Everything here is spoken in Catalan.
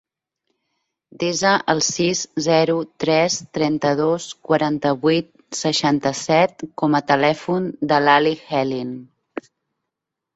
Desa el sis, zero, tres, trenta-dos, quaranta-vuit, seixanta-set com a telèfon de l'Ali Hellin.